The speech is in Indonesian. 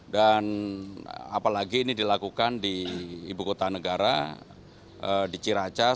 dan apalagi ini dilakukan di ibu kota negara di ciracas